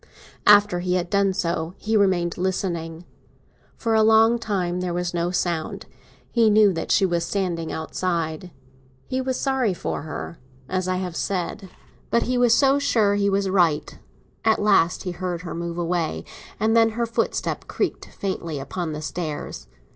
After he had done so, he remained listening. For a long time there was no sound; he knew that she was standing outside. He was sorry for her, as I have said; but he was so sure he was right. At last he heard her move away, and then her footstep creaked faintly upon the stairs.